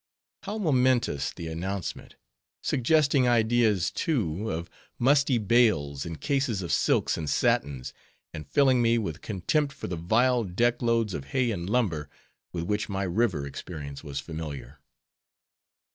_ How momentous the announcement; suggesting ideas, too, of musty bales, and cases of silks and satins, and filling me with contempt for the vile deck loads of hay and lumber, with which my river experience was familiar.